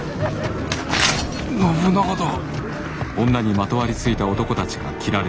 信長だ。